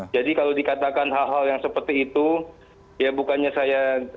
jadi kalau dikatakan hal hal yang seperti itu ya bukannya saya menolak atau berkata kata